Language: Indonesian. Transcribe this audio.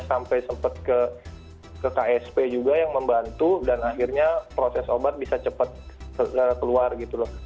sampai sempat ke ksp juga yang membantu dan akhirnya proses obat bisa cepat keluar gitu loh